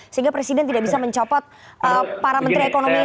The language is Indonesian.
sehingga presiden tidak bisa mencopot para menteri ekonomi